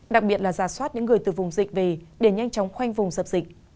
đặc biệt là giả soát những người từ vùng dịch về để nhanh chóng khoanh vùng dập dịch